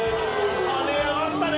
跳ね上がったね。